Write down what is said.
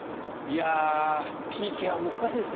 ＰＫは難しいですね。